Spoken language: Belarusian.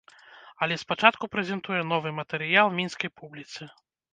Але спачатку прэзентуе новы матэрыял мінскай публіцы.